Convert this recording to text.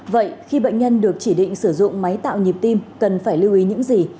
vậy khi bệnh nhân được chỉ định sử dụng máy tạo nhịp tim cần phải lưu ý những gì